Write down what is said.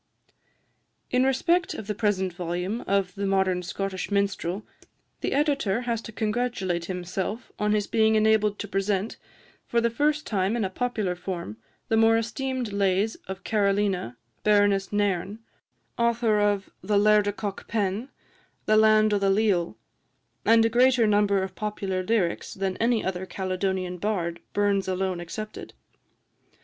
In respect of the present volume of "The Modern Scottish Minstrel," the Editor has to congratulate himself on his being enabled to present, for the first time in a popular form, the more esteemed lays of Carolina, Baroness Nairn, author of "The Laird o' Cockpen," "The Land o' the Leal," and a greater number of popular lyrics than any other Caledonian bard, Burns alone excepted.